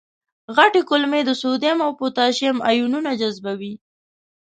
غټې کولمې د سودیم او پتاشیم آیونونه جذبوي.